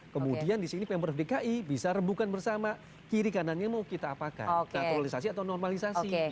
kemudian di sini pemprov dki bisa rebukan bersama kiri kanannya mau kita apakan naturalisasi atau normalisasi